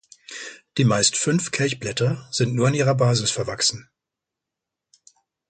Die meist fünf Kelchblätter sind nur an ihrer Basis verwachsen.